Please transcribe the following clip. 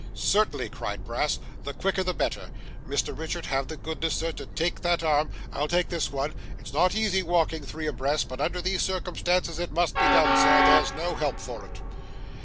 'Certainly!' cried Brass, 'the quicker, the better. Mr Richard have the goodness, sir, to take that arm. I'll take this one. It's not easy walking three abreast, but under these circumstances it must be done, sir; there's no help for it.